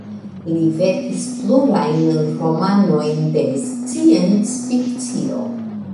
Li verkis pluraj romanojn de sciencfikcio.